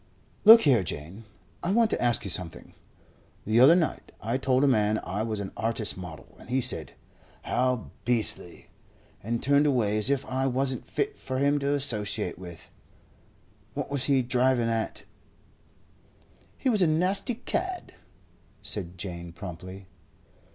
"Look here, Jane, I want to ask you something. The other night I told a man I was an artist's model, and he said 'How beastly!' and turned away as if I wasn't fit for him to associate with. What was he driving at?" "He was a nasty cad," said Jane promptly.